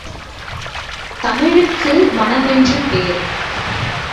தமிழுக்கு மணமென்று பேர்!